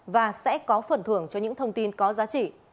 và sẽ có phần thưởng cho những thông tin có giá trị